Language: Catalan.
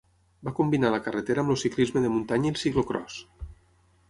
Va combinar la carretera amb el ciclisme de muntanya i el ciclocròs.